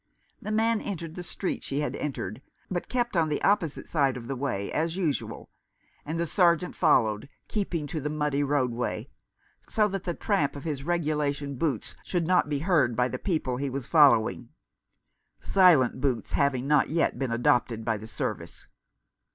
The man entered the street she had entered, but kept on the opposite side of the way, as usual, and the Sergeant followed, keeping to the muddy roadway, so that the tramp of his regulation boots should not be heard by the people he was follow ing, silent boots having not yet been adopted by the service.